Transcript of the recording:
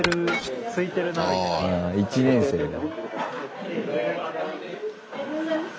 １年生だ。